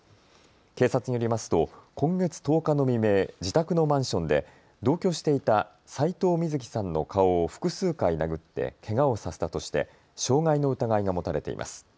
警察によりますと今月１０日の未明、自宅のマンションで同居していた齋藤瑞希さんの顔を複数回殴ってけがをさせたとして傷害の疑いが持たれています。